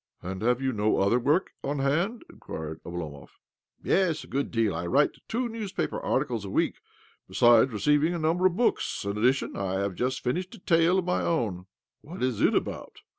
" And have you no other work on hand? " inquired Oblomov. " Yes, a good deal. I write two news paper articles a week, besides reviewing a number of books. In addition, I have just finished a tale of my own." "What is it about?"